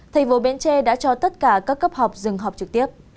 thầy vô bến tre đã cho tất cả các cấp học dừng học trực tiếp